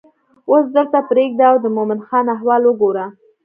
اوس دلته پرېږده او د مومن خان احوال وګوره.